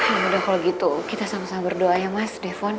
ya mudah kalau gitu kita sama sama berdoa ya mas devon